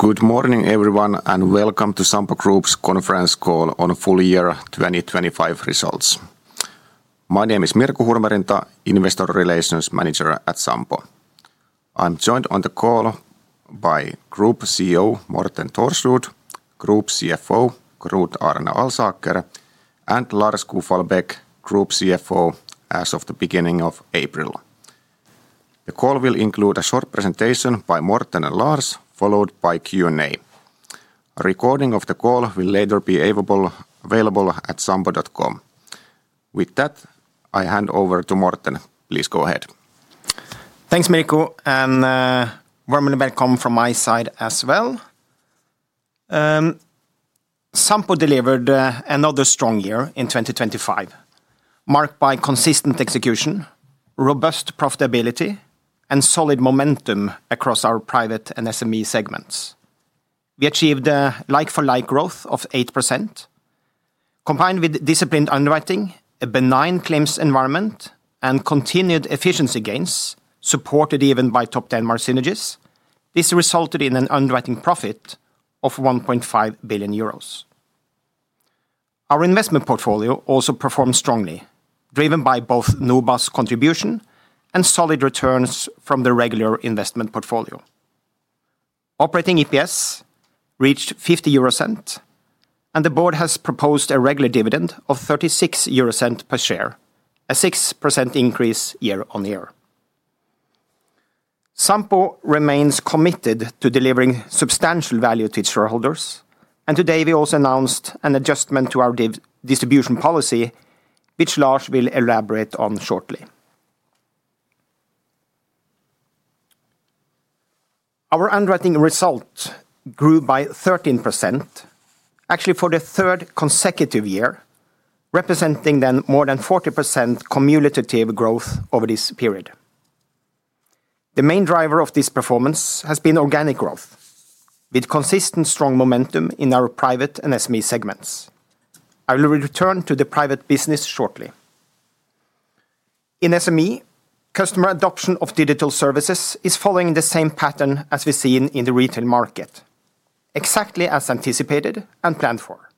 Good morning, everyone, and welcome to Sampo Group's conference call on full year 2025 results. My name is Mirko Hurmerinta, Investor Relations Manager at Sampo. I'm joined on the call by Group CEO Morten Thorsrud, Group CFO Knut Arne Alsaker, and Lars Kufall Beck, Group CFO, as of the beginning of April. The call will include a short presentation by Morten and Lars, followed by Q&A. A recording of the call will later be available at sampo.com. With that, I hand over to Morten. Please go ahead. Thanks, Mirko, and a warm welcome from my side as well. Sampo delivered another strong year in 2025, marked by consistent execution, robust profitability, and solid momentum across our private and SME segments. We achieved a like-for-like growth of 8%. Combined with disciplined underwriting, a benign claims environment, and continued efficiency gains, supported even by Topdan margins, this resulted in an underwriting profit of 1.5 billion euros. Our investment portfolio also performed strongly, driven by both Hastings's contribution and solid returns from the regular investment portfolio. Operating EPS reached 0.50, and the board has proposed a regular dividend of 0.36 per share, a 6% increase year-on-year. Sampo remains committed to delivering substantial value to its shareholders, and today we also announced an adjustment to our distribution policy, which Lars will elaborate on shortly. Our underwriting result grew by 13%, actually for the third consecutive year, representing more than 40% cumulative growth over this period. The main driver of this performance has been organic growth, with consistent strong momentum in our private and SME segments. I will return to the private business shortly. In SME, customer adoption of digital services is following the same pattern as we've seen in the retail market, exactly as anticipated and planned for.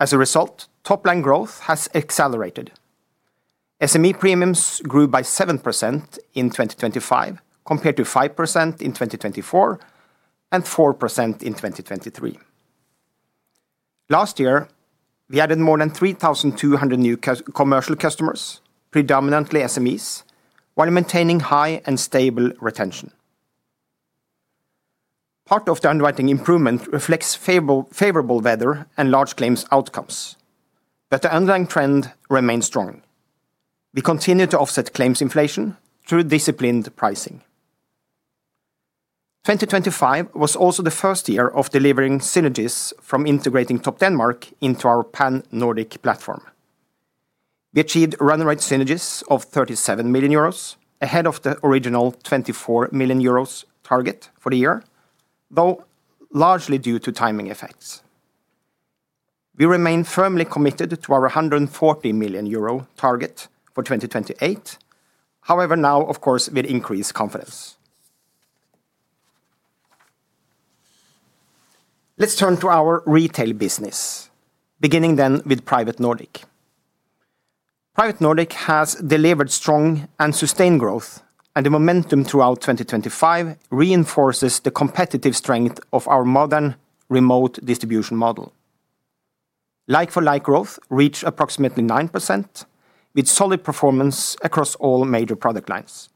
As a result, top-line growth has accelerated. SME premiums grew by 7% in 2025 compared to 5% in 2024 and 4% in 2023. Last year, we added more than 3,200 new commercial customers, predominantly SMEs, while maintaining high and stable retention. Part of the underwriting improvement reflects favorable weather and large claims outcomes, but the underlying trend remains strong. We continue to offset claims inflation through disciplined pricing. 2025 was also the first year of delivering synergies from integrating Topdanmark into our Pan-Nordic platform. We achieved run-rate synergies of 37 million euros ahead of the original 24 million euros target for the year, though largely due to timing effects. We remain firmly committed to our 140 million euro target for 2028. However, now, of course, with increased confidence. Let's turn to our retail business, beginning then with Private Nordic. Private Nordic has delivered strong and sustained growth, and the momentum throughout 2025 reinforces the competitive strength of our modern remote distribution model. Like-for-like growth reached approximately 9%, with solid performance across all major product lines.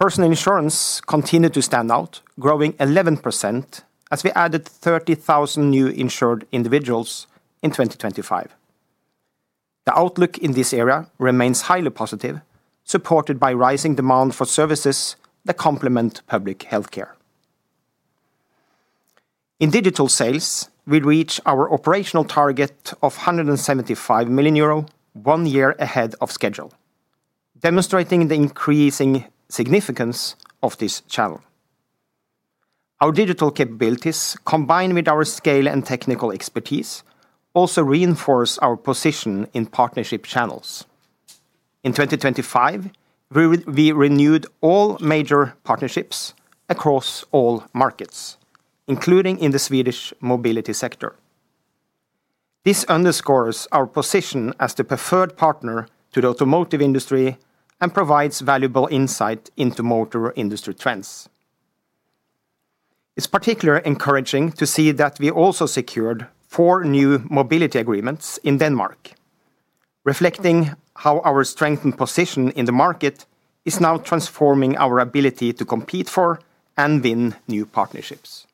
Personal insurance continued to stand out, growing 11% as we added 30,000 new insured individuals in 2025. The outlook in this area remains highly positive, supported by rising demand for services that complement public healthcare. In digital sales, we reached our operational target of 175 million euro one year ahead of schedule, demonstrating the increasing significance of this channel. Our digital capabilities, combined with our scale and technical expertise, also reinforce our position in partnership channels. In 2025, we renewed all major partnerships across all markets, including in the Swedish mobility sector. This underscores our position as the preferred partner to the automotive industry and provides valuable insight into motor industry trends. It's particularly encouraging to see that we also secured four new mobility agreements in Denmark, reflecting how our strengthened position in the market is now transforming our ability to compete for and win new partnerships.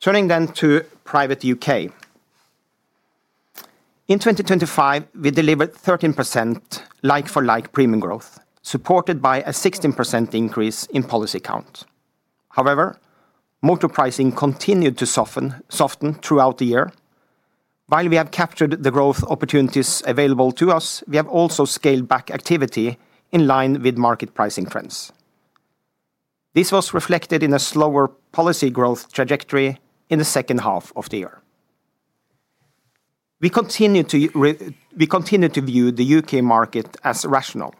Turning then to Private UK. In 2025, we delivered 13% like-for-like premium growth, supported by a 16% increase in policy count. However, motor pricing continued to soften throughout the year. While we have captured the growth opportunities available to us, we have also scaled back activity in line with market pricing trends. This was reflected in a slower policy growth trajectory in the second half of the year. We continue to view the U.K. market as rational,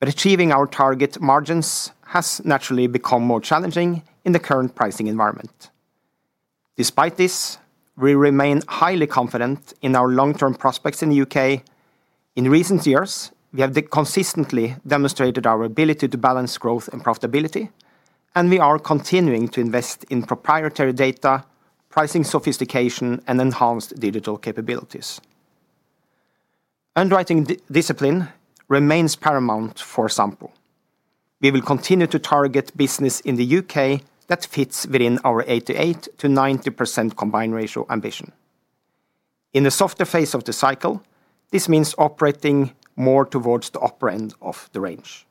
but achieving our target margins has naturally become more challenging in the current pricing environment. Despite this, we remain highly confident in our long-term prospects in the U.K. In recent years, we have consistently demonstrated our ability to balance growth and profitability, and we are continuing to invest in proprietary data, pricing sophistication, and enhanced digital capabilities. Underwriting discipline remains paramount for Sampo. We will continue to target business in the U.K. that fits within our 88%-90% combined ratio ambition. In the softer phase of the cycle, this means operating more towards the upper end of the range.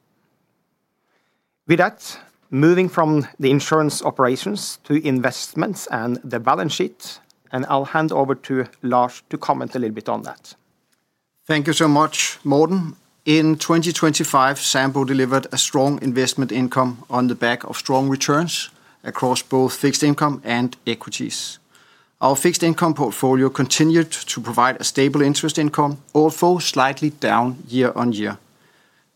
With that, moving from the insurance operations to investments and the balance sheet, I'll hand over to Lars to comment a little bit on that. Thank you so much, Morten. In 2025, Sampo delivered a strong investment income on the back of strong returns across both fixed income and equities. Our fixed income portfolio continued to provide a stable interest income, although slightly down year on year.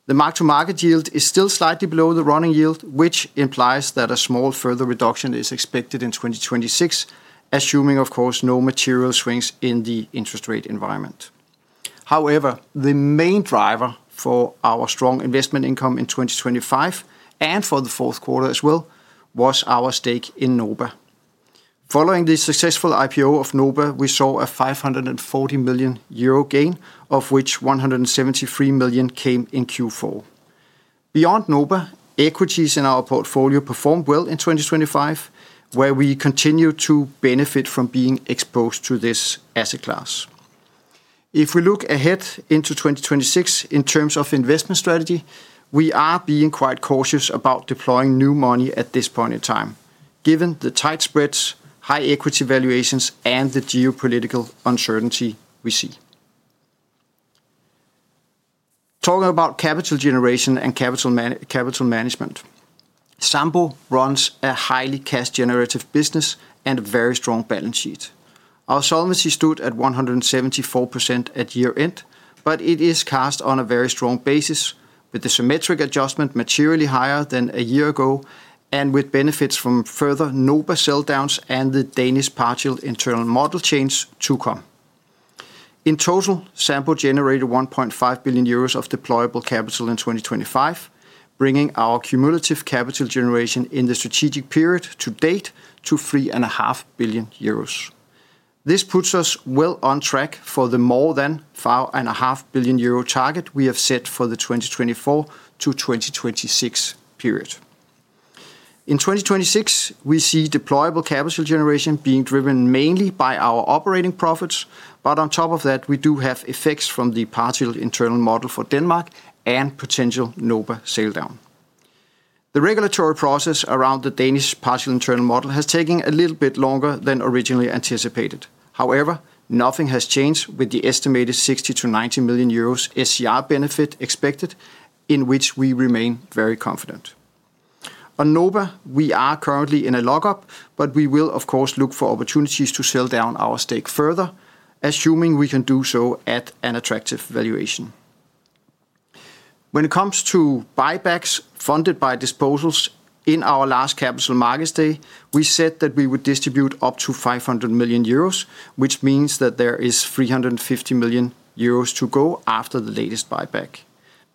The mark-to-market yield is still slightly below the running yield, which implies that a small further reduction is expected in 2026, assuming, of course, no material swings in the interest rate environment. However, the main driver for our strong investment income in 2025 and for the fourth quarter as well was our stake in NOBA. Following the successful IPO of NOBA, we saw a 540 million euro gain, of which 173 million came in Q4. Beyond NOBA, equities in our portfolio performed well in 2025, where we continue to benefit from being exposed to this asset class. If we look ahead into 2026 in terms of investment strategy, we are being quite cautious about deploying new money at this point in time, given the tight spreads, high equity valuations, and the geopolitical uncertainty we see. Talking about capital generation and capital management, Sampo runs a highly cash-generative business and a very strong balance sheet. Our solvency stood at 174% at year-end, but it is cast on a very strong basis, with the symmetric adjustment materially higher than a year ago and with benefits from further NOBA sell-downs and the Danish partial internal model change to come. In total, Sampo generated 1.5 billion euros of deployable capital in 2025, bringing our cumulative capital generation in the strategic period to date to 3.5 billion euros. This puts us well on track for the more than 5.5 billion euro target we have set for the 2024 to 2026 period. In 2026, we see deployable capital generation being driven mainly by our operating profits, but on top of that, we do have effects from the partial internal model for Denmark and potential NOBA sell-down. The regulatory process around the Danish partial internal model has taken a little bit longer than originally anticipated. However, nothing has changed with the estimated 60 million-90 million euros SCR benefit expected, in which we remain very confident. On NOBA, we are currently in a lockup, but we will, of course, look for opportunities to sell down our stake further, assuming we can do so at an attractive valuation. When it comes to buybacks funded by disposals in our last capital markets day, we said that we would distribute up to 500 million euros, which means that there is 350 million euros to go after the latest buyback.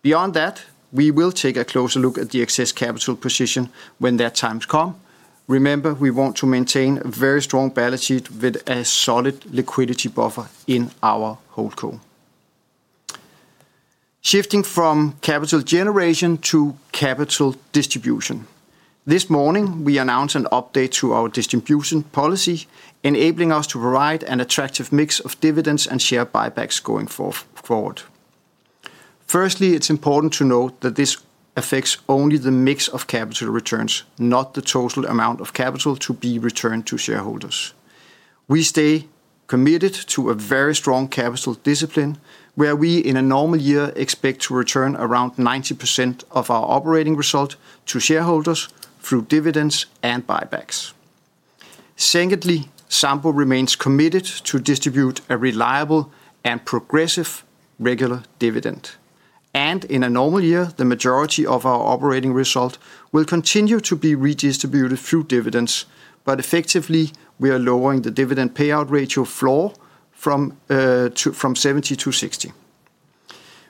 Beyond that, we will take a closer look at the excess capital position when that time comes. Remember, we want to maintain a very strong balance sheet with a solid liquidity buffer in our holdco. Shifting from capital generation to capital distribution, this morning we announced an update to our distribution policy, enabling us to provide an attractive mix of dividends and share buybacks going forward. Firstly, it's important to note that this affects only the mix of capital returns, not the total amount of capital to be returned to shareholders. We stay committed to a very strong capital discipline, where we in a normal year expect to return around 90% of our operating result to shareholders through dividends and buybacks. Secondly, Sampo remains committed to distribute a reliable and progressive regular dividend. In a normal year, the majority of our operating result will continue to be redistributed through dividends, but effectively, we are lowering the dividend payout ratio floor from 70%-60%.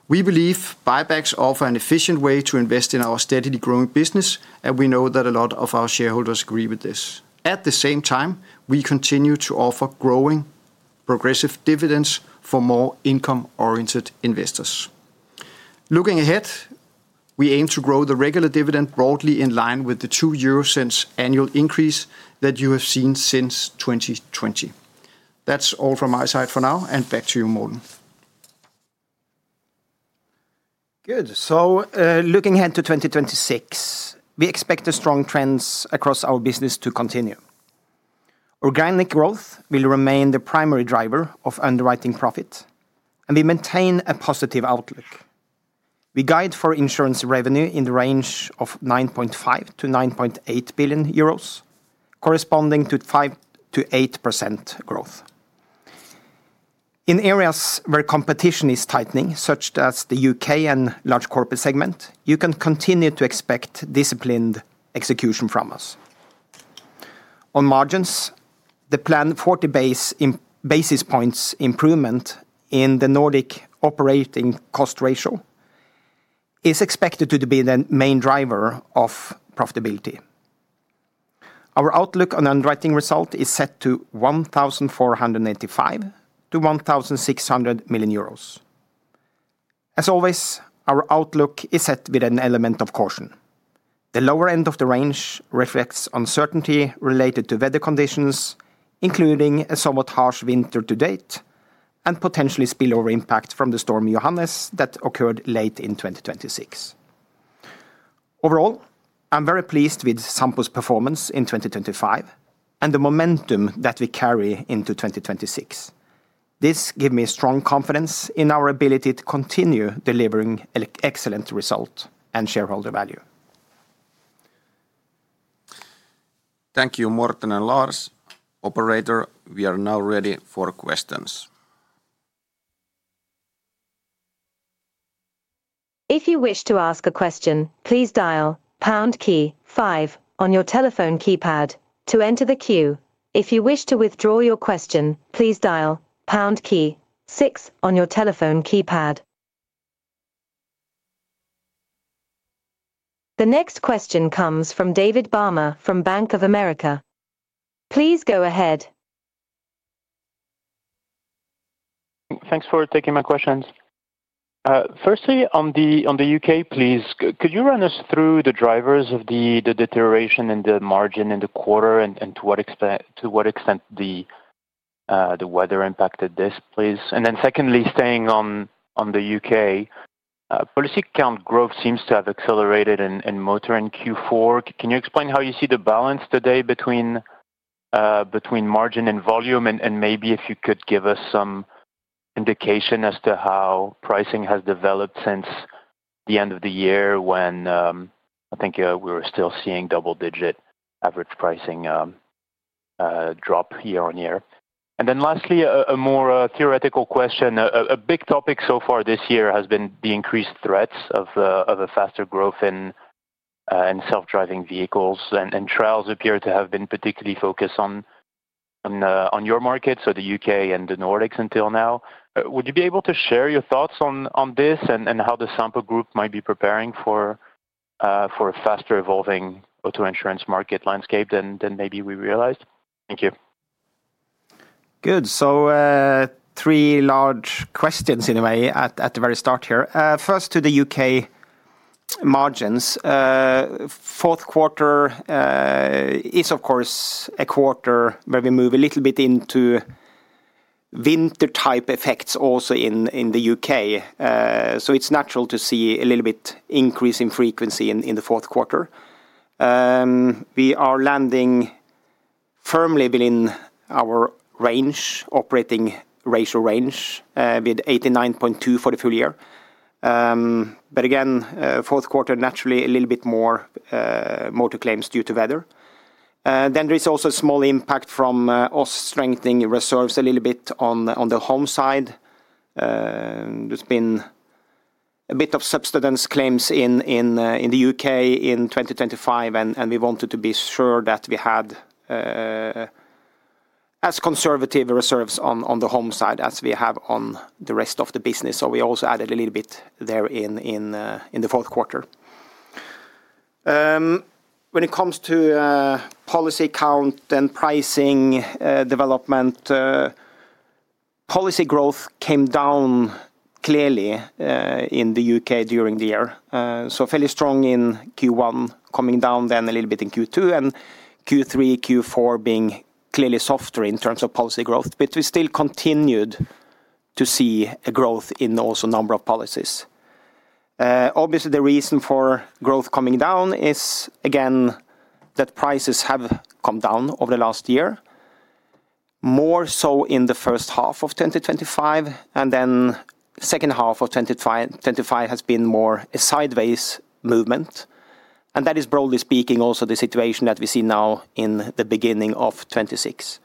We believe buybacks offer an efficient way to invest in our steadily growing business, and we know that a lot of our shareholders agree with this. At the same time, we continue to offer growing, progressive dividends for more income-oriented investors. Looking ahead, we aim to grow the regular dividend broadly in line with the 0.02 annual increase that you have seen since 2020. That's all from my side for now, and back to you, Morten. Good. So looking ahead to 2026, we expect strong trends across our business to continue. Organic growth will remain the primary driver of underwriting profit, and we maintain a positive outlook. We guide for insurance revenue in the range of 9.5-9.8 billion euros, corresponding to 5%-8% growth. In areas where competition is tightening, such as the UK and Large Corporate segment, you can continue to expect disciplined execution from us. On margins, the planned 40 basis points improvement in the Nordic operating cost ratio is expected to be the main driver of profitability. Our outlook on underwriting result is set to 1,485-1,600 million euros. As always, our outlook is set with an element of caution. The lower end of the range reflects uncertainty related to weather conditions, including a somewhat harsh winter to date and potentially spillover impact from the Storm Hans that occurred late in 2026. Overall, I'm very pleased with Sampo's performance in 2025 and the momentum that we carry into 2026. This gives me strong confidence in our ability to continue delivering excellent result and shareholder value. Thank you, Morten and Lars. Operator, we are now ready for questions. If you wish to ask a question, please dial pound key 5 on your telephone keypad to enter the queue. If you wish to withdraw your question, please dial pound key 6 on your telephone keypad. The next question comes from David Barma from Bank of America. Please go ahead. Thanks for taking my questions. Firstly, on the UK, please, could you run us through the drivers of the deterioration in the margin in the quarter and to what extent the weather impacted this, please? And then secondly, staying on the UK, policy count growth seems to have accelerated in motor in Q4. Can you explain how you see the balance today between margin and volume, and maybe if you could give us some indication as to how pricing has developed since the end of the year when I think we were still seeing double-digit average pricing drop year-on-year? And then lastly, a more theoretical question. A big topic so far this year has been the increased threats of a faster growth in self-driving vehicles, and trials appear to have been particularly focused on your market, so the UK and the Nordics until now. Would you be able to share your thoughts on this and how the Sampo Group might be preparing for a faster evolving auto insurance market landscape than maybe we realized? Thank you. Good. So 3 large questions in a way at the very start here. First, to the UK margins. Fourth quarter is, of course, a quarter where we move a little bit into winter-type effects also in the UK, so it's natural to see a little bit increase in frequency in the fourth quarter. We are landing firmly within our operating ratio range with 89.2 for the full year. But again, fourth quarter, naturally, a little bit more motor claims due to weather. Then there is also a small impact from us strengthening reserves a little bit on the home side. There's been a bit of subsidence claims in the UK in 2025, and we wanted to be sure that we had as conservative reserves on the home side as we have on the rest of the business, so we also added a little bit there in the fourth quarter. When it comes to policy count and pricing development, policy growth came down clearly in the U.K. during the year. Fairly strong in Q1, coming down then a little bit in Q2, and Q3, Q4 being clearly softer in terms of policy growth, but we still continued to see a growth in also a number of policies. Obviously, the reason for growth coming down is, again, that prices have come down over the last year, more so in the first half of 2025, and then the second half of 2025 has been more a sideways movement. That is, broadly speaking, also the situation that we see now in the beginning of 2026.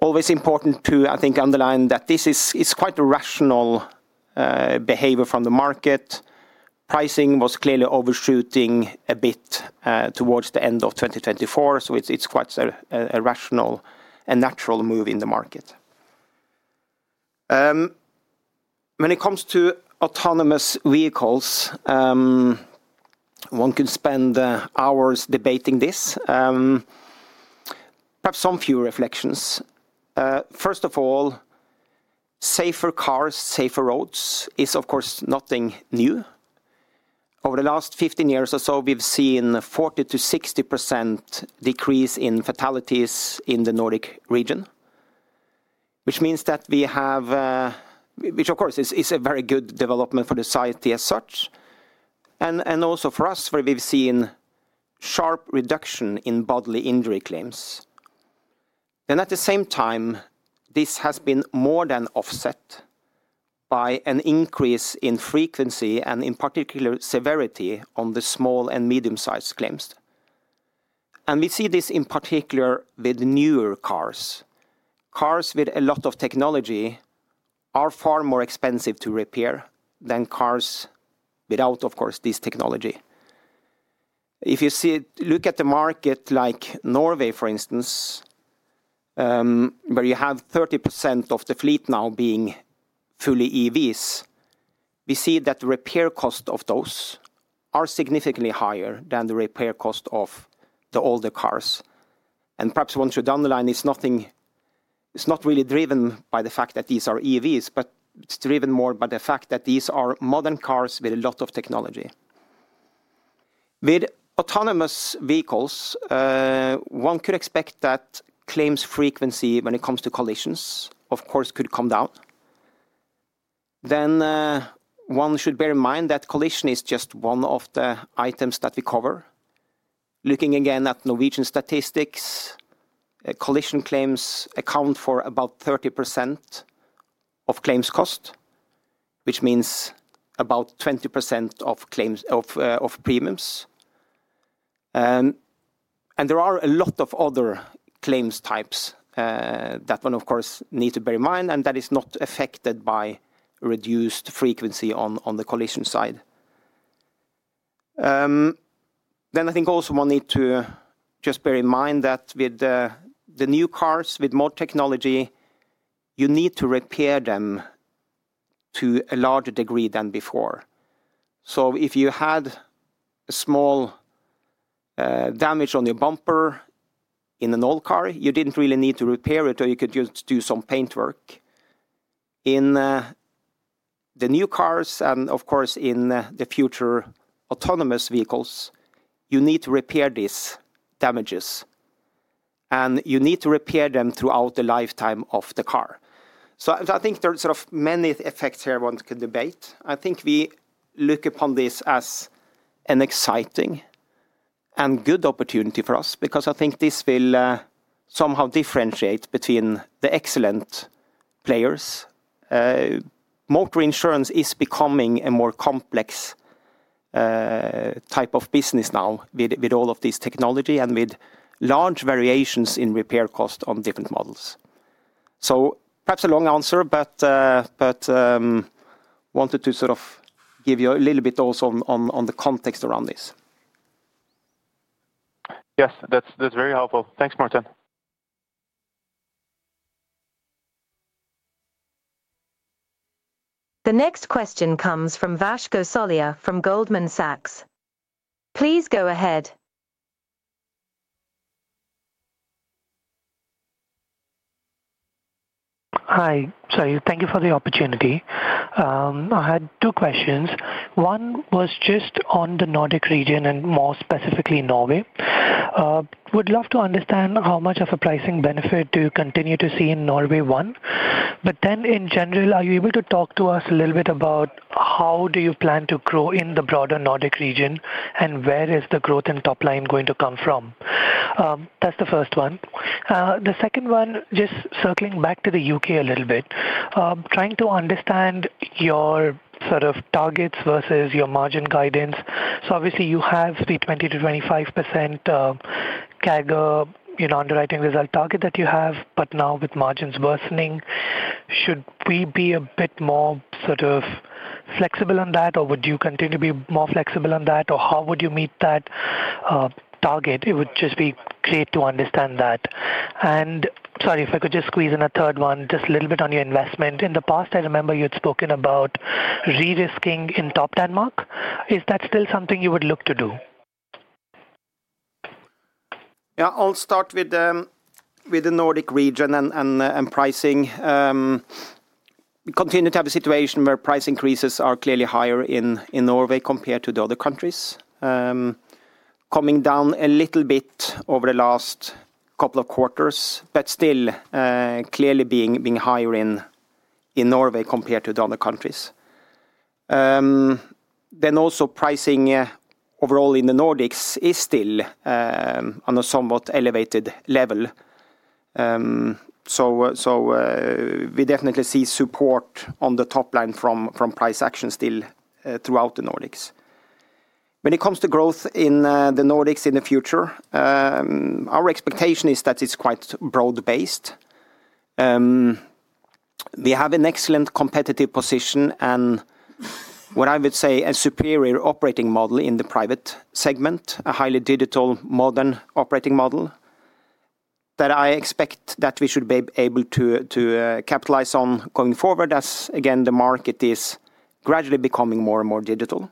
Always important to, I think, underline that this is quite a rational behavior from the market. Pricing was clearly overshooting a bit towards the end of 2024, so it's quite a rational and natural move in the market. When it comes to autonomous vehicles, one could spend hours debating this. Perhaps some few reflections. First of all, safer cars, safer roads is, of course, nothing new. Over the last 15 years or so, we've seen a 40%-60% decrease in fatalities in the Nordic region, which means that we have which, of course, is a very good development for society as such. And also for us, where we've seen sharp reduction in bodily injury claims. Then at the same time, this has been more than offset by an increase in frequency and, in particular, severity on the small and medium-sized claims. And we see this in particular with newer cars. Cars with a lot of technology are far more expensive to repair than cars without, of course, this technology. If you look at the market like Norway, for instance, where you have 30% of the fleet now being fully EVs, we see that the repair cost of those is significantly higher than the repair cost of the older cars. And perhaps one should underline it's not really driven by the fact that these are EVs, but it's driven more by the fact that these are modern cars with a lot of technology. With autonomous vehicles, one could expect that claims frequency when it comes to collisions, of course, could come down. Then one should bear in mind that collision is just one of the items that we cover. Looking again at Norwegian statistics, collision claims account for about 30% of claims cost, which means about 20% of premiums. There are a lot of other claims types that one, of course, needs to bear in mind, and that is not affected by reduced frequency on the collision side. I think also one needs to just bear in mind that with the new cars, with more technology, you need to repair them to a larger degree than before. If you had a small damage on your bumper in an old car, you didn't really need to repair it, or you could just do some paintwork. In the new cars and, of course, in the future autonomous vehicles, you need to repair these damages. You need to repair them throughout the lifetime of the car. I think there are many effects here one could debate. I think we look upon this as an exciting and good opportunity for us, because I think this will somehow differentiate between the excellent players. Motor insurance is becoming a more complex type of business now with all of this technology and with large variations in repair cost on different models. So perhaps a long answer, but I wanted to give you a little bit also on the context around this. Yes, that's very helpful. Thanks, Morten. The next question comes from Vraj Gosalia from Goldman Sachs. Please go ahead. Hi, thank you for the opportunity. I had two questions. One was just on the Nordic region and more specifically Norway. I would love to understand how much of a pricing benefit do you continue to see in Norway? One? But then, in general, are you able to talk to us a little bit about how do you plan to grow in the broader Nordic region, and where is the growth and top line going to come from? That's the first one. The second one, just circling back to the UK a little bit, trying to understand your targets versus your margin guidance. So obviously, you have the 20%-25% CAGR underwriting result target that you have, but now with margins worsening, should we be a bit more flexible on that, or would you continue to be more flexible on that, or how would you meet that target? It would just be great to understand that. Sorry, if I could just squeeze in a third one, just a little bit on your investment. In the past, I remember you had spoken about re-risking in Topdanmark. Is that still something you would look to do? Yeah, I'll start with the Nordic region and pricing. We continue to have a situation where price increases are clearly higher in Norway compared to the other countries. Coming down a little bit over the last couple of quarters, but still clearly being higher in Norway compared to the other countries. Then also, pricing overall in the Nordics is still on a somewhat elevated level. So we definitely see support on the top line from price action still throughout the Nordics. When it comes to growth in the Nordics in the future, our expectation is that it's quite broad-based. We have an excellent competitive position and what I would say a superior operating model in the private segment, a highly digital, modern operating model that I expect that we should be able to capitalize on going forward as, again, the market is gradually becoming more and more digital.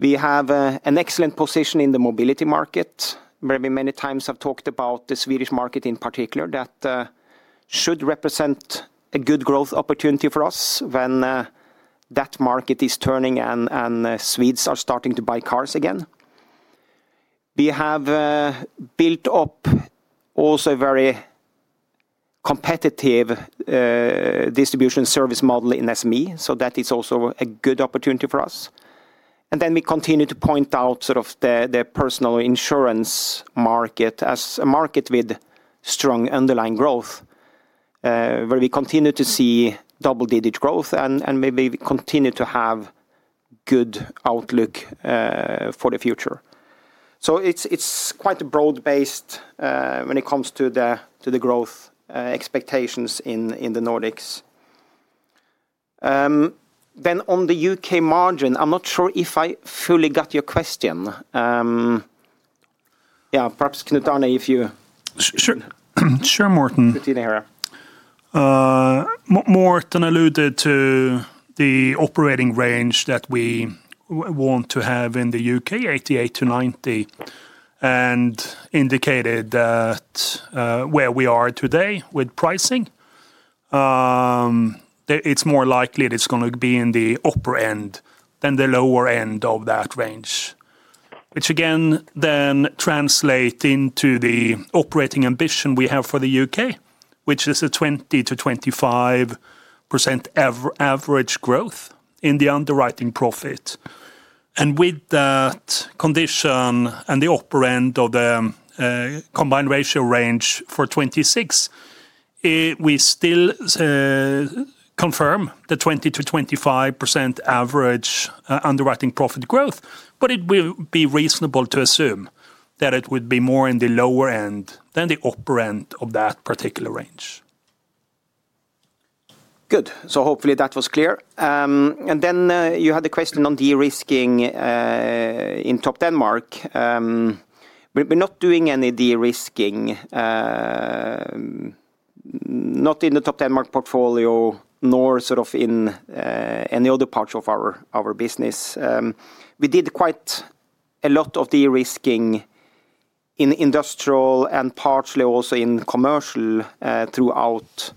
We have an excellent position in the mobility market, where many times I've talked about the Swedish market in particular, that should represent a good growth opportunity for us when that market is turning and Swedes are starting to buy cars again. We have built up also a very competitive distribution service model in SME, so that is also a good opportunity for us. And then we continue to point out the personal insurance market as a market with strong underlying growth, where we continue to see double-digit growth and maybe continue to have good outlook for the future. So it's quite broad-based when it comes to the growth expectations in the Nordics. Then on the U.K. margin, I'm not sure if I fully got your question. Yeah, perhaps Knut Alsaker, if you... Sure, Morten. Morten alluded to the operating range that we want to have in the UK, 88%-90%, and indicated that where we are today with pricing, it's more likely it's going to be in the upper end than the lower end of that range. Which, again, then translates into the operating ambition we have for the UK, which is a 20%-25% average growth in the underwriting profit. With that condition and the upper end of the combined ratio range for 2026, we still confirm the 20%-25% average underwriting profit growth, but it would be reasonable to assume that it would be more in the lower end than the upper end of that particular range. Good. Hopefully, that was clear. Then you had the question on de-risking in Topdanmark. We're not doing any de-risking, not in the Topdanmark portfolio, nor in any other parts of our business. We did quite a lot of de-risking in industrial and partially also in commercial throughout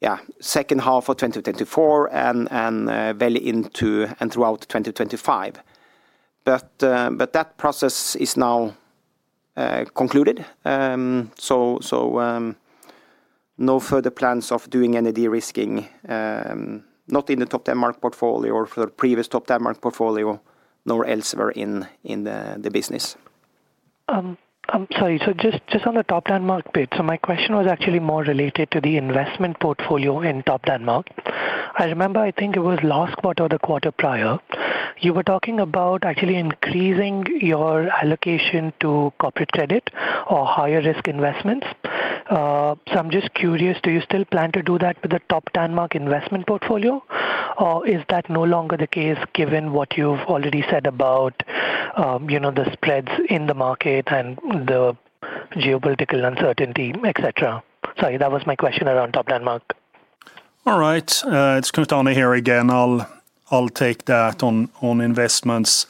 the second half of 2024 and throughout 2025. That process is now concluded. No further plans of doing any de-risking, not in the Topdanmark portfolio or the previous Topdanmark portfolio, nor elsewhere in the business. I'm sorry, so just on the Topdanmark bit. So my question was actually more related to the investment portfolio in Topdanmark. I remember, I think it was last quarter or the quarter prior, you were talking about actually increasing your allocation to corporate credit or higher-risk investments. So I'm just curious, do you still plan to do that with the Topdanmark investment portfolio, or is that no longer the case given what you've already said about the spreads in the market and the geopolitical uncertainty, etc.? Sorry, that was my question around Topdanmark. All right. It's Knut Alsaker here again. I'll take that on investments.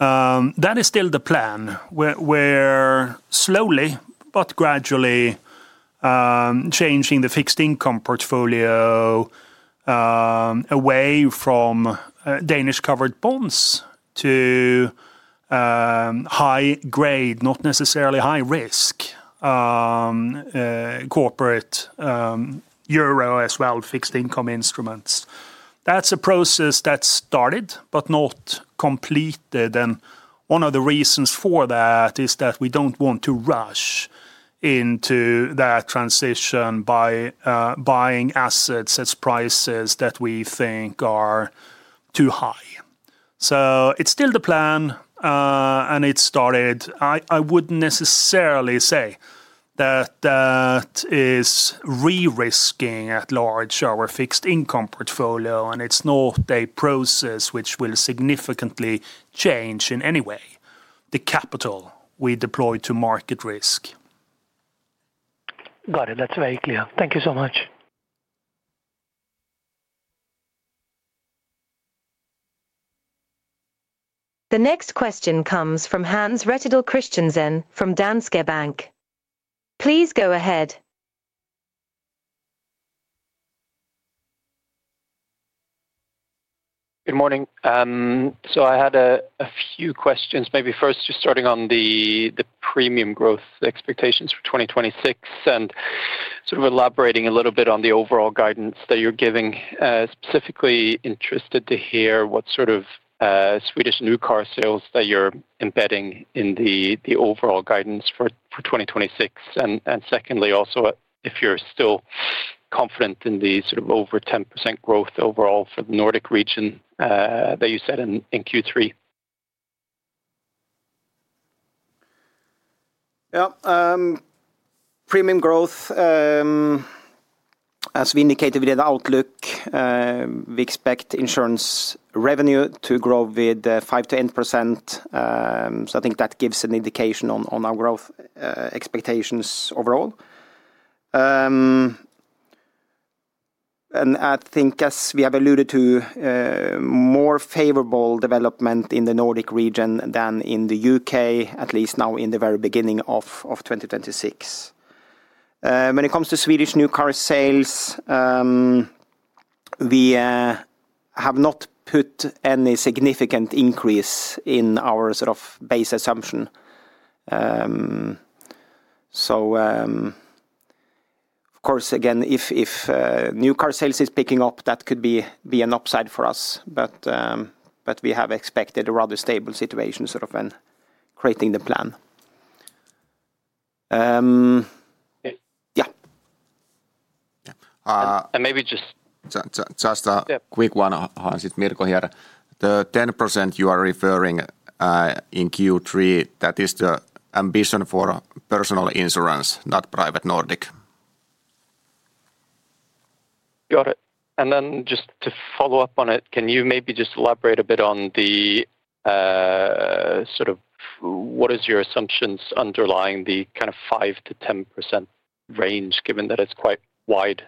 That is still the plan, where slowly but gradually changing the fixed income portfolio away from Danish-covered bonds to high-grade, not necessarily high-risk corporate euro as well, fixed income instruments. That's a process that's started but not completed. And one of the reasons for that is that we don't want to rush into that transition by buying assets at prices that we think are too high. So it's still the plan, and it started. I wouldn't necessarily say that is re-risking at large our fixed income portfolio, and it's not a process which will significantly change in any way the capital we deploy to market risk. Got it. That's very clear. Thank you so much. The next question comes from Hans Rettedal Christiansen from Danske Bank. Please go ahead. Good morning. So I had a few questions, maybe first just starting on the premium growth expectations for 2026 and elaborating a little bit on the overall guidance that you're giving. Specifically, interested to hear what sort of Swedish new car sales that you're embedding in the overall guidance for 2026. And secondly, also, if you're still confident in the over 10% growth overall for the Nordic region that you said in Q3. Yeah, premium growth, as we indicated with an outlook, we expect insurance revenue to grow with 5%-10%. So I think that gives an indication on our growth expectations overall. And I think, as we have alluded to, more favorable development in the Nordic region than in the U.K., at least now in the very beginning of 2026. When it comes to Swedish new car sales, we have not put any significant increase in our base assumption. So, of course, again, if new car sales are picking up, that could be an upside for us. But we have expected a rather stable situation when creating the plan. Yeah. And maybe just... Just a quick one, Hans, if Mirko hears. The 10% you are referring to in Q3, that is the ambition for Personal insurance, not Private Nordic. Got it. And then just to follow up on it, can you maybe just elaborate a bit on what are your assumptions underlying the kind of 5%-10% range, given that it's quite wide?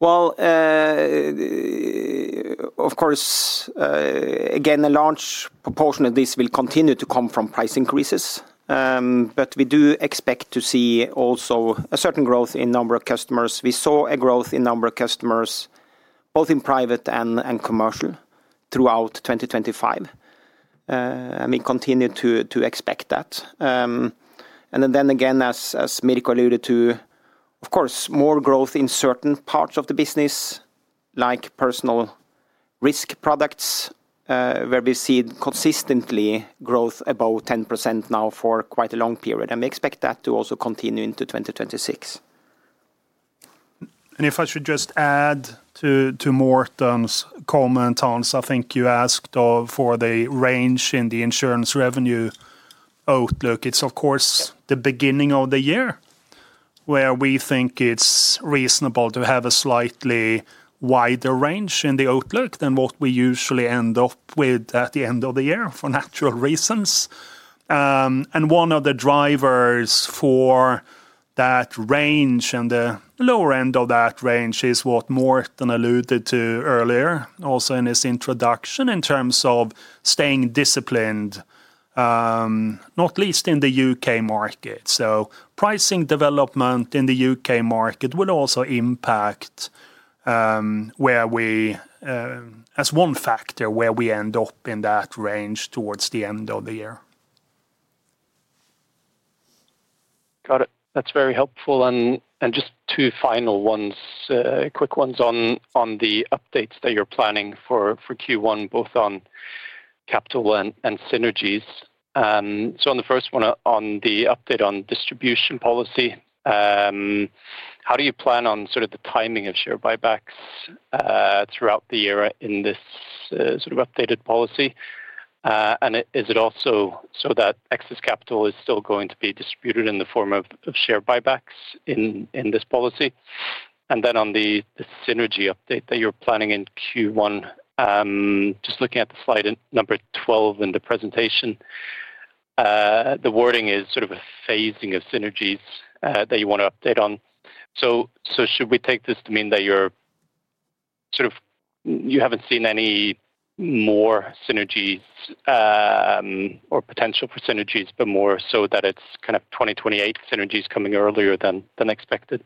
Well, of course, again, a large proportion of this will continue to come from price increases. But we do expect to see also a certain growth in the number of customers. We saw a growth in the number of customers, both in private and commercial, throughout 2025. And we continue to expect that. And then, again, as Mirko alluded to, of course, more growth in certain parts of the business, like personal risk products, where we see consistently growth above 10% now for quite a long period. And we expect that to also continue into 2026. If I should just add to Morten's comment, Hans, I think you asked for the range in the insurance revenue outlook. It's, of course, the beginning of the year, where we think it's reasonable to have a slightly wider range in the outlook than what we usually end up with at the end of the year for natural reasons. One of the drivers for that range and the lower end of that range is what Morten alluded to earlier, also in his introduction, in terms of staying disciplined, not least in the UK market. Pricing development in the UK market will also impact as one factor where we end up in that range towards the end of the year. Got it. That's very helpful. And just two final ones, quick ones on the updates that you're planning for Q1, both on capital and synergies. So on the first one, on the update on distribution policy, how do you plan on the timing of share buybacks throughout the year in this updated policy? And is it also so that excess capital is still going to be distributed in the form of share buybacks in this policy? And then on the synergy update that you're planning in Q1, just looking at the slide number 12 in the presentation, the wording is sort of a phasing of synergies that you want to update on. So should we take this to mean that you haven't seen any more synergies or potential for synergies, but more so that it's kind of 2028 synergies coming earlier than expected?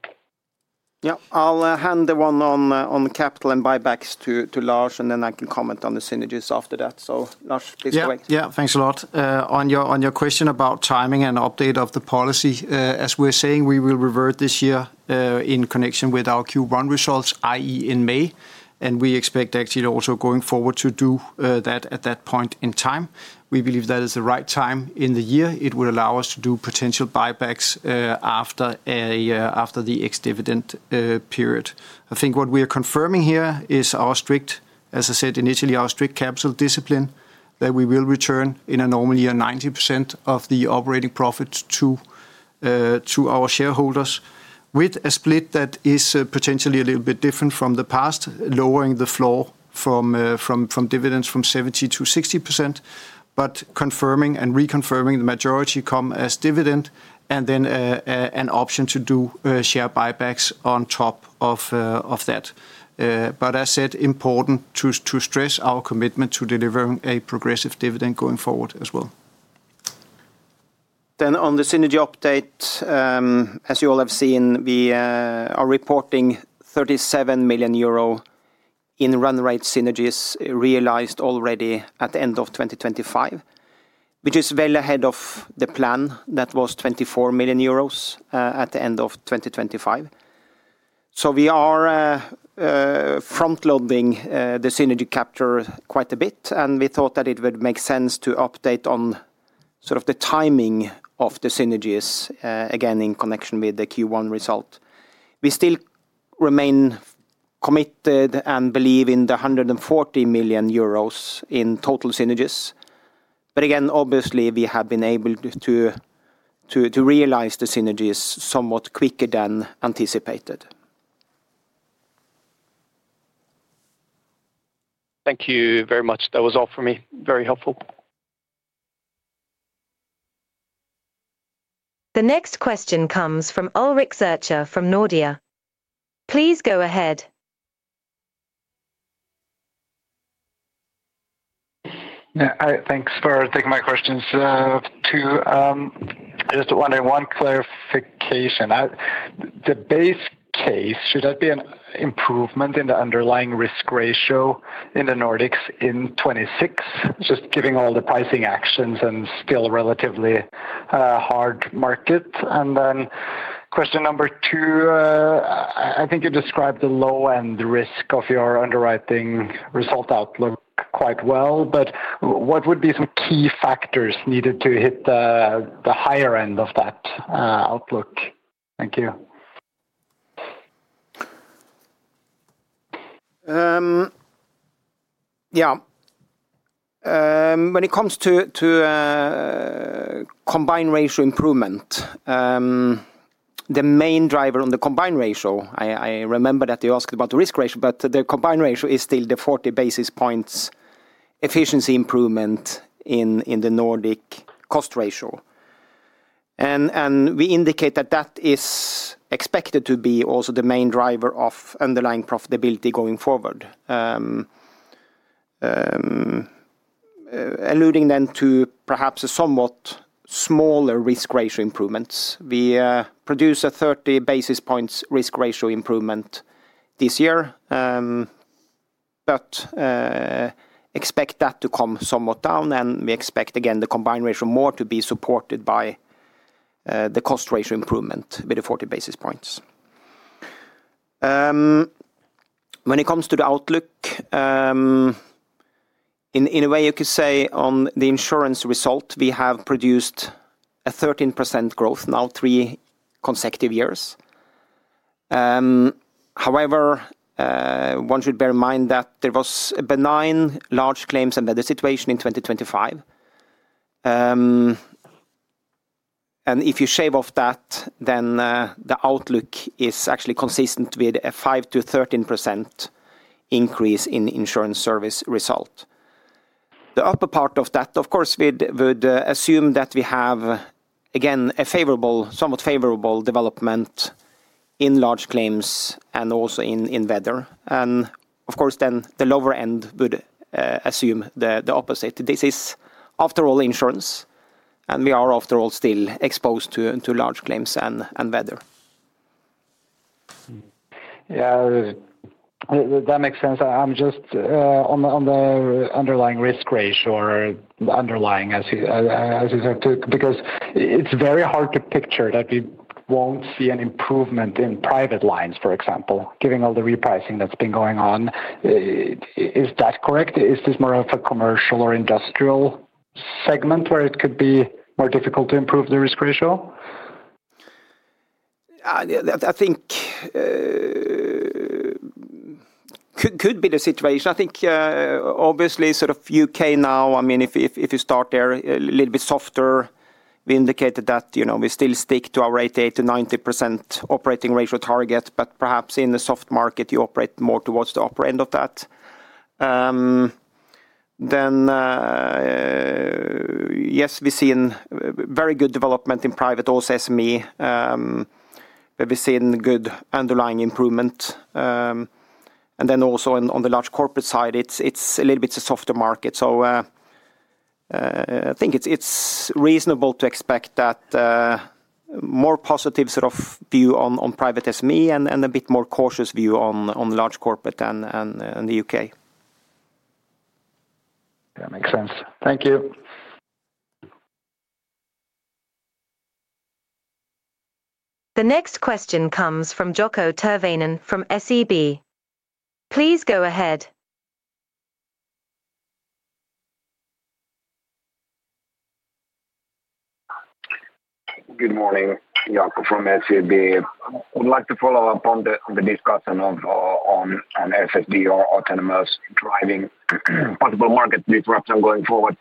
Yeah, I'll hand the one on capital and buybacks to Lars, and then I can comment on the synergies after that. So, Lars, please go ahead. Yeah, thanks a lot. On your question about timing and update of the policy, as we're saying, we will revert this year in connection with our Q1 results, i.e., in May. And we expect actually also going forward to do that at that point in time. We believe that is the right time in the year. It would allow us to do potential buybacks after the ex-dividend period. I think what we are confirming here is our strict, as I said initially, our strict capital discipline, that we will return in a normal year 90% of the operating profits to our shareholders, with a split that is potentially a little bit different from the past, lowering the floor from dividends from 70% to 60%, but confirming and reconfirming the majority come as dividend and then an option to do share buybacks on top of that. But as said, important to stress our commitment to delivering a progressive dividend going forward as well. Then on the synergy update, as you all have seen, we are reporting 37 million euro in run-rate synergies realized already at the end of 2025, which is well ahead of the plan that was 24 million euros at the end of 2025. So we are front-loading the synergy capture quite a bit, and we thought that it would make sense to update on the timing of the synergies, again, in connection with the Q1 result. We still remain committed and believe in the 140 million euros in total synergies. But again, obviously, we have been able to realize the synergies somewhat quicker than anticipated. Thank you very much. That was all from me. Very helpful. The next question comes from Ulrik Zürcher from Nordea. Please go ahead. Thanks for taking my questions. I just wanted one clarification. The base case, should that be an improvement in the underlying risk ratio in the Nordics in 2026, just giving all the pricing actions and still a relatively hard market? And then question number two, I think you described the low-end risk of your underwriting result outlook quite well, but what would be some key factors needed to hit the higher end of that outlook? Thank you. Yeah. When it comes to combined ratio improvement, the main driver on the combined ratio I remember that you asked about the risk ratio, but the combined ratio is still the 40 basis points efficiency improvement in the Nordic cost ratio. We indicate that that is expected to be also the main driver of underlying profitability going forward, alluding then to perhaps a somewhat smaller risk ratio improvements. We produce a 30 basis points risk ratio improvement this year, but expect that to come somewhat down. We expect, again, the combined ratio more to be supported by the cost ratio improvement with the 40 basis points. When it comes to the outlook, in a way, you could say on the insurance result, we have produced a 13% growth now, three consecutive years. However, one should bear in mind that there was a benign large claims embedded situation in 2025. And if you shave off that, then the outlook is actually consistent with a 5%-13% increase in insurance service result. The upper part of that, of course, would assume that we have, again, a somewhat favorable development in large claims and also in weather. And, of course, then the lower end would assume the opposite. This is, after all, insurance, and we are, after all, still exposed to large claims and weather. Yeah, that makes sense. I'm just on the underlying risk ratio or underlying, as you said, because it's very hard to picture that we won't see an improvement in private lines, for example, given all the repricing that's been going on. Is that correct? Is this more of a commercial or industrial segment where it could be more difficult to improve the risk ratio? I think it could be the situation. I think, obviously, U.K. now, I mean, if you start there a little bit softer, we indicated that we still stick to our 88%-90% operating ratio target. But perhaps in the soft market, you operate more towards the upper end of that. Then, yes, we've seen very good development in Private, also SME, where we've seen good underlying improvement. And then also on the Large Corporate side, it's a little bit a softer market. So I think it's reasonable to expect that more positive view on Private SME and a bit more cautious view on Large Corporate and the U.K. That makes sense. Thank you. The next question comes from Jaakko Tyrväinen from SEB. Please go ahead. Good morning, Jaakko from SEB. I'd like to follow up on the discussion on FSD or autonomous driving. Possible market disruption going forward.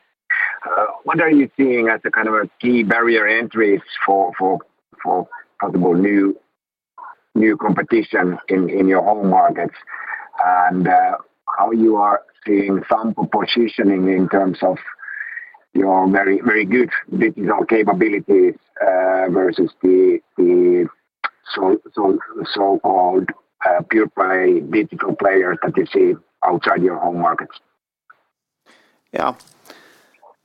What are you seeing as a kind of key barrier entries for possible new competition in your home markets and how you are seeing some positioning in terms of your very good digital capabilities versus the so-called pure-play digital players that you see outside your home markets? Yeah.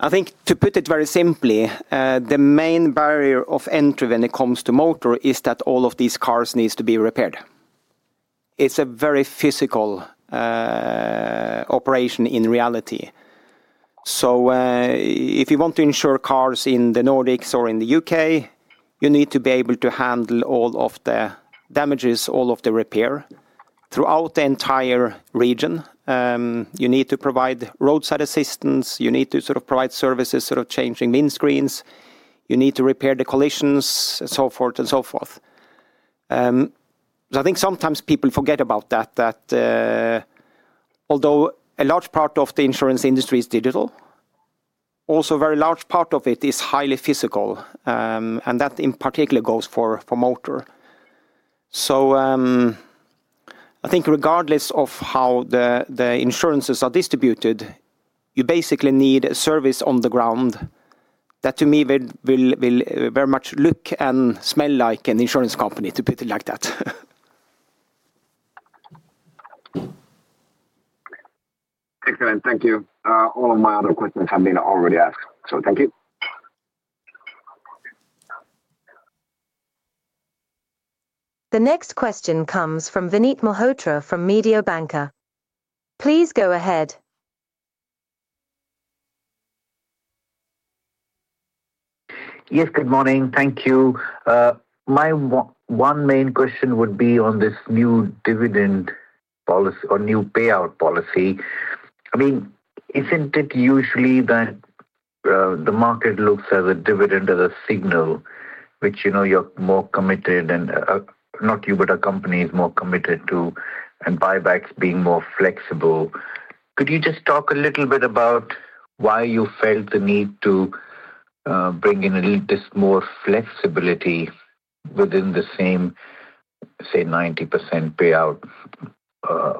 I think, to put it very simply, the main barrier of entry when it comes to motor is that all of these cars need to be repaired. It's a very physical operation in reality. So if you want to insure cars in the Nordics or in the UK, you need to be able to handle all of the damages, all of the repair throughout the entire region. You need to provide roadside assistance. You need to provide services of changing windscreens. You need to repair the collisions, so forth and so forth. So I think sometimes people forget about that, that although a large part of the insurance industry is digital, also a very large part of it is highly physical. And that, in particular, goes for motor. So I think regardless of how the insurances are distributed, you basically need service on the ground that, to me, will very much look and smell like an insurance company, to put it like that. Excellent. Thank you. All of my other questions have been already asked, so thank you. The next question comes from Vinit Malhotra from Mediobanca. Please go ahead. Yes, good morning. Thank you. My one main question would be on this new dividend policy or new payout policy. I mean, isn't it usually that the market looks at the dividend as a signal, which you're more committed and not you, but a company is more committed to, and buybacks being more flexible? Could you just talk a little bit about why you felt the need to bring in this more flexibility within the same, say, 90% payout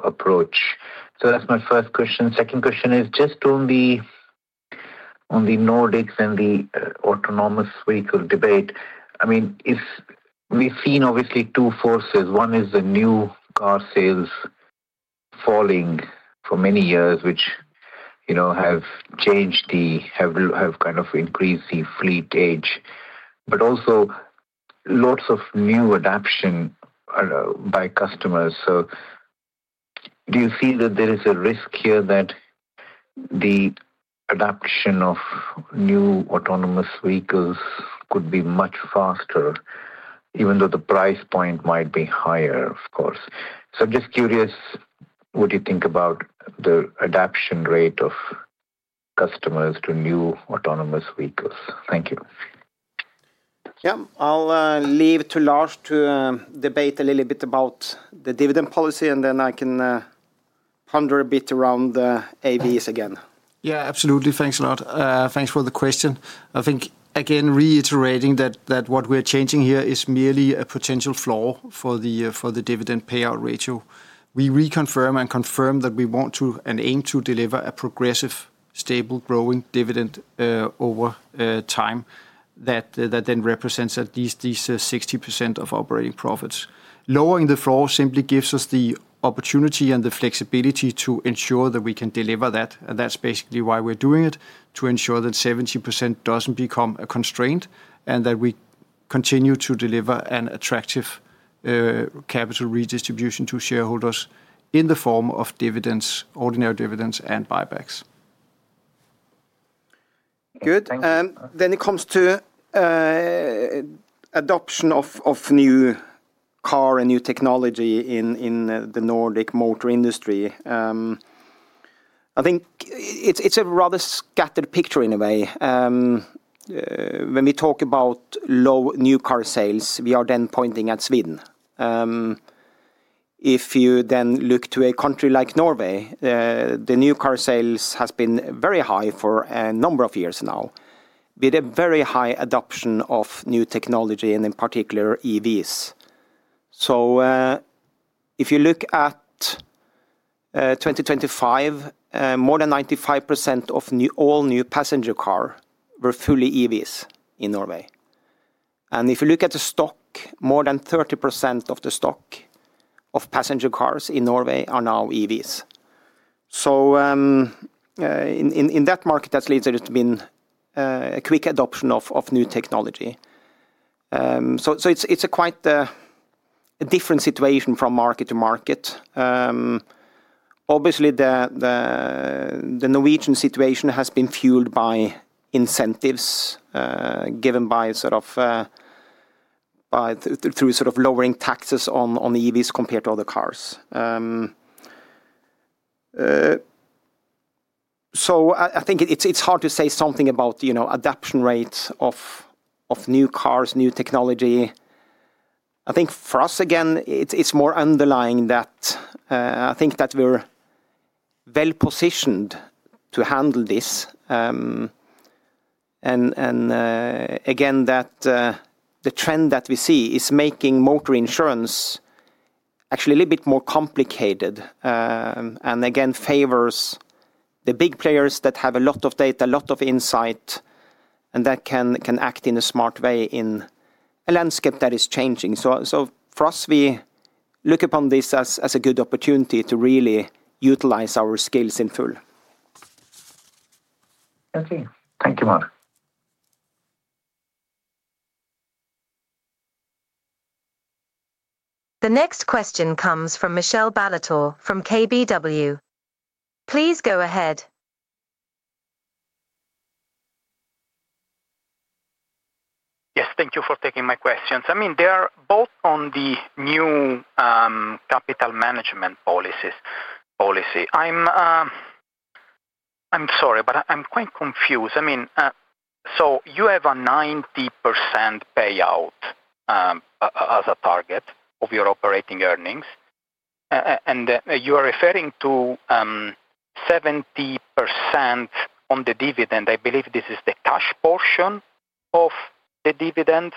approach? So that's my first question. Second question is just on the Nordics and the autonomous vehicle debate. I mean, we've seen, obviously, two forces. One is the new car sales falling for many years, which have changed the kind of increased the fleet age, but also lots of new adoption by customers. So do you see that there is a risk here that the adoption of new autonomous vehicles could be much faster, even though the price point might be higher, of course? So I'm just curious, what do you think about the adoption rate of customers to new autonomous vehicles? Thank you. Yeah, I'll leave to Lars to debate a little bit about the dividend policy, and then I can ponder a bit around the AVs again. Yeah, absolutely. Thanks a lot. Thanks for the question. I think, again, reiterating that what we're changing here is merely a potential floor for the dividend payout ratio. We reconfirm and confirm that we want to and aim to deliver a progressive, stable, growing dividend over time that then represents at least these 60% of operating profits. Lowering the floor simply gives us the opportunity and the flexibility to ensure that we can deliver that. That's basically why we're doing it, to ensure that 70% doesn't become a constraint and that we continue to deliver an attractive capital redistribution to shareholders in the form of ordinary dividends and buybacks. Good. Then it comes to adoption of new car and new technology in the Nordic motor industry. I think it's a rather scattered picture, in a way. When we talk about new car sales, we are then pointing at Sweden. If you then look to a country like Norway, the new car sales have been very high for a number of years now with a very high adoption of new technology and, in particular, EVs. So if you look at 2025, more than 95% of all new passenger cars were fully EVs in Norway. And if you look at the stock, more than 30% of the stock of passenger cars in Norway are now EVs. So in that market, that's led to a quick adoption of new technology. So it's a quite different situation from market to market. Obviously, the Norwegian situation has been fueled by incentives given through lowering taxes on EVs compared to other cars. I think it's hard to say something about adoption rates of new cars, new technology. I think for us, again, it's more underlying that I think that we're well-positioned to handle this. Again, that the trend that we see is making motor insurance actually a little bit more complicated and, again, favors the big players that have a lot of data, a lot of insight, and that can act in a smart way in a landscape that is changing. For us, we look upon this as a good opportunity to really utilize our skills in full. Thank you. Thank you, Mark. The next question comes from Michele Ballatore from KBW. Please go ahead. Yes, thank you for taking my questions. I mean, they are both on the new capital management policy. I'm sorry, but I'm quite confused. I mean, so you have a 90% payout as a target of your operating earnings. And you are referring to 70% on the dividend. I believe this is the cash portion of the dividend.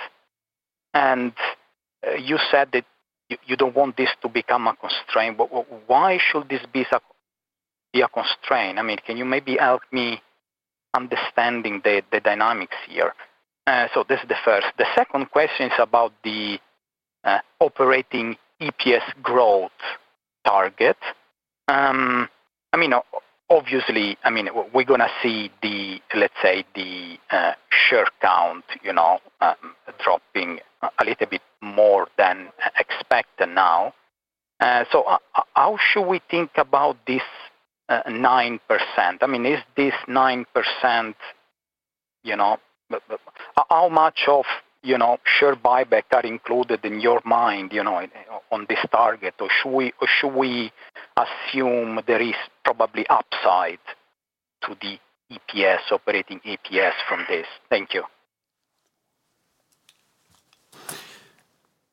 And you said that you don't want this to become a constraint. Why should this be a constraint? I mean, can you maybe help me understand the dynamics here? So this is the first. The second question is about the operating EPS growth target. I mean, obviously, I mean, we're going to see the, let's say, the share count dropping a little bit more than expected now. So how should we think about this 9%? I mean, is this 9% how much of share buyback are included in your mind on this target? Or should we assume there is probably upside to the operating EPS from this? Thank you.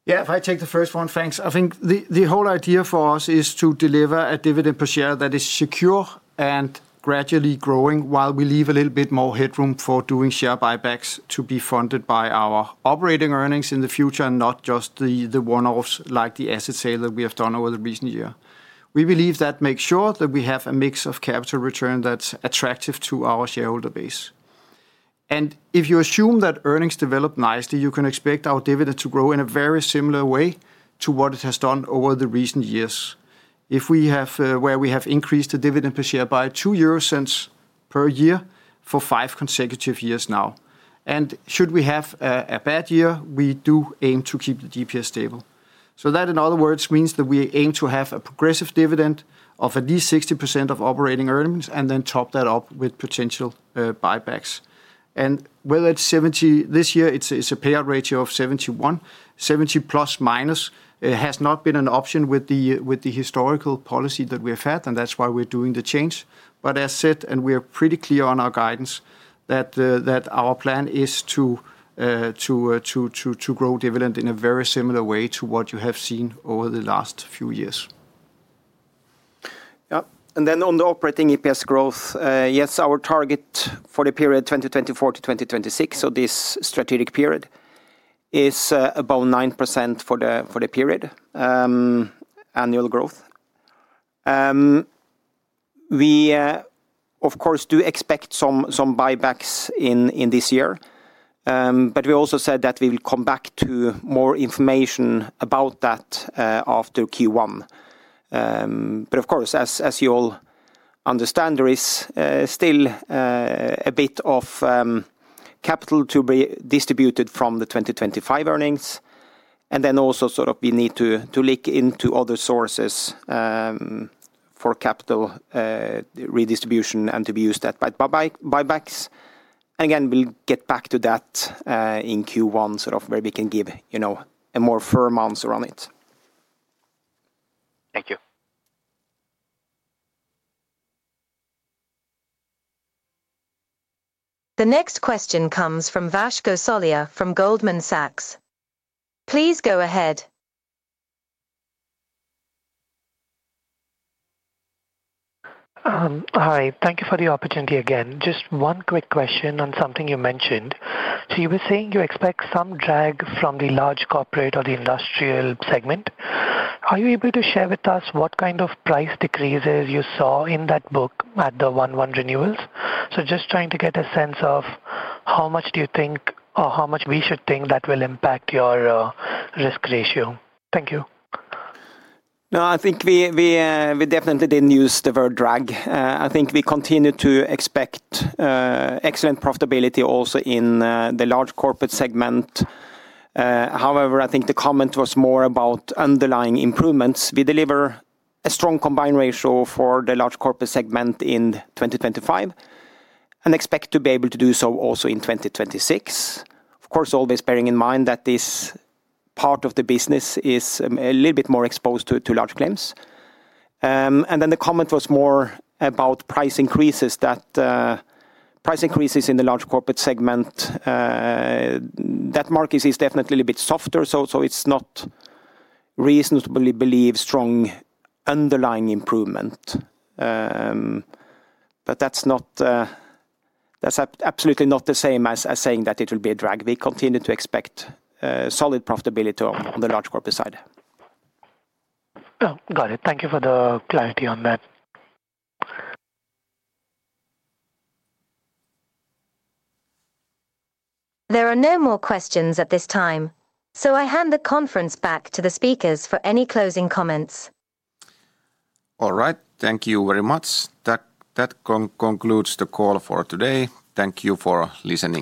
Yeah, if I take the first one, thanks. I think the whole idea for us is to deliver a dividend per share that is secure and gradually growing while we leave a little bit more headroom for doing share buybacks to be funded by our operating earnings in the future, not just the one-offs like the asset sale that we have done over the recent year. We believe that makes sure that we have a mix of capital return that's attractive to our shareholder base. And if you assume that earnings develop nicely, you can expect our dividend to grow in a very similar way to what it has done over the recent years, where we have increased the dividend per share by 0.02 per year for 5 consecutive years now. And should we have a bad year, we do aim to keep the DPS stable. So that, in other words, means that we aim to have a progressive dividend of at least 60% of operating earnings and then top that up with potential buybacks. Whether it's 70% this year, it's a payout ratio of 71%. 70 ± has not been an option with the historical policy that we have had, and that's why we're doing the change. But as said, we are pretty clear on our guidance, that our plan is to grow dividend in a very similar way to what you have seen over the last few years. Yeah. And then on the Operating EPS growth, yes, our target for the period 2024 to 2026, so this strategic period, is about 9% for the period, annual growth. We, of course, do expect some buybacks in this year. But we also said that we will come back to more information about that after Q1. But, of course, as you all understand, there is still a bit of capital to be distributed from the 2025 earnings. And then also, we need to look into other sources for capital redistribution and to be used by buybacks. And, again, we'll get back to that in Q1, where we can give a more firm answer on it. Thank you. The next question comes from Vash Gosalia from Goldman Sachs. Please go ahead. Hi. Thank you for the opportunity again. Just one quick question on something you mentioned. So you were saying you expect some drag from the large corporate or the industrial segment. Are you able to share with us what kind of price decreases you saw in that book at the one-on-one renewals? So just trying to get a sense of how much do you think or how much we should think that will impact your risk ratio? Thank you. No, I think we definitely didn't use the word drag. I think we continue to expect excellent profitability also in the Large Corporate segment. However, I think the comment was more about underlying improvements. We deliver a strong combined ratio for the Large Corporate segment in 2025 and expect to be able to do so also in 2026, of course, always bearing in mind that this part of the business is a little bit more exposed to large claims. And then the comment was more about price increases. That price increases in the Large Corporate segment, that market is definitely a little bit softer, so it's not reasonable to believe strong underlying improvement. But that's absolutely not the same as saying that it will be a drag. We continue to expect solid profitability on the Large Corporate side. Got it. Thank you for the clarity on that. There are no more questions at this time, so I hand the conference back to the speakers for any closing comments. All right. Thank you very much. That concludes the call for today. Thank you for listening.